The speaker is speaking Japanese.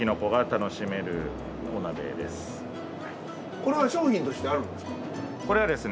これは商品としてあるんですか？